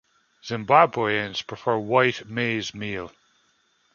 Zimbabweans prefer white maize meal.